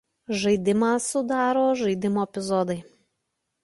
Žaidimą sudaro žaidimo epizodai.